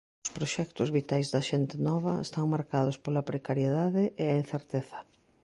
Os proxectos vitais da xente nova están marcados pola precariedade e a incerteza.